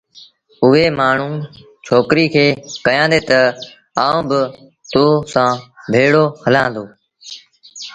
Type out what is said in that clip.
اُئي مآڻهوٚٚݩ ڇوڪري کي ڪهيآݩدي تا آئوݩ با تو سآݩ ڀيڙو هلآݩ دو